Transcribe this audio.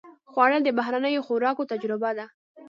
خوړل د بهرنیو خوراکونو تجربه ده